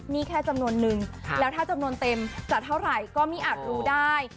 นี่แค่จำนวนนึงแล้วถ้าจำนวนเต็มจะเท่าไหร่ก็ไม่อาจรู้ได้